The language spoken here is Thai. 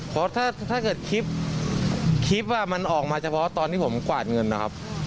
เพราะถ้าเกิดคลิปคลิปมันออกมาเฉพาะตอนที่ผมกวาดเงินนะครับ